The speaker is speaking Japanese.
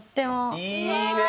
いいねぇ！